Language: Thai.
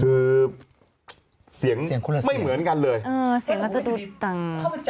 อือเสียงล่ะจะดูต่าง